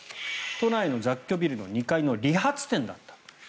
都内の雑居ビルの２階の理髪店だった。